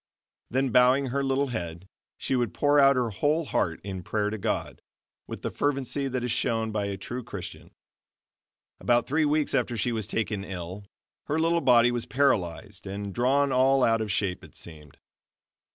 Then bowing her little head, she would pour out her whole heart in prayer to God, with the fervency that is shown by a true Christian. About three weeks after she was taken ill her little body was paralyzed and drawn all out of shape it seemed.